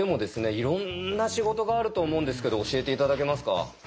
いろんな仕事があると思うんですけど教えて頂けますか？